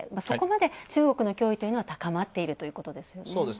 そこまで、中国の脅威というのは高まっているということですね。